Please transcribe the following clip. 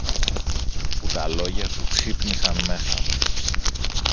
που τα λόγια σου ξύπνησαν μέσα μου.